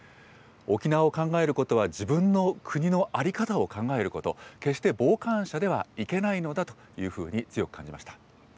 沖縄を考えることは、自分の国の在り方を考えること、決して傍観者ではいけないのだというふうに強く感じました。